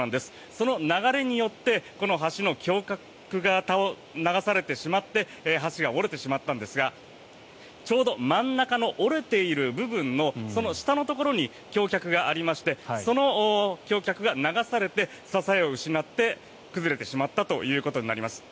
その流れによってこの橋の橋脚が流されてしまって橋が折れてしまったんですがちょうど真ん中の折れている部分のその下のところに橋脚がありましてその橋脚が流されて支えを失って崩れてしまったということになります。